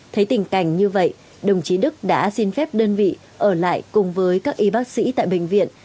thấy tình cảnh như vậy đồng chí đức đã xin phép đơn vị ở lại cùng với các y bác sĩ tại bệnh viện